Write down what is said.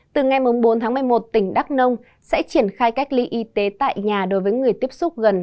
từ ngày bốn tháng một mươi một tỉnh đắk nông sẽ triển khai cách ly y tế tại nhà đối với người tiếp xúc gần